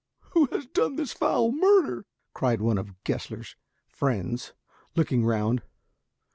"Who has done this foul murder?" cried one of Gessler's friends, looking round.